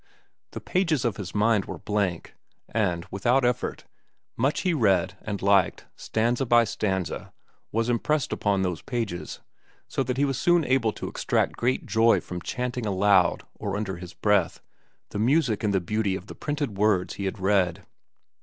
The pages of his mind were blank, and, without effort, much he read and liked, stanza by stanza, was impressed upon those pages, so that he was soon able to extract great joy from chanting aloud or under his breath the music and the beauty of the printed words he had read.